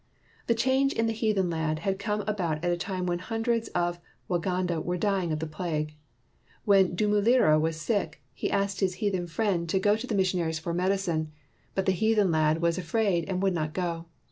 The change in the heathen lad had come about at a time when hundreds of Waganda were dying of the plague. While Dumulira was sick, he asked his heathen friend to go 1561 TEACHING MAKES NEW MEN to the missionaries for medicine; but the heathen lad was afraid and would not go.